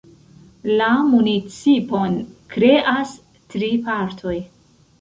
La municipon kreas tri partoj.